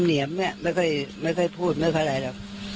เหนียมเหนียมไหมไม่ค่อยไม่ค่อยพูดไม่ฮ่าไรอ่ะ